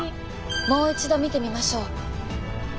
もう一度見てみましょう。